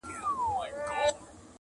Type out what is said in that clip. وخت که لېونی سو، توپانونو ته به څه وایو!